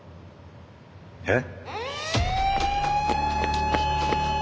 えっ！？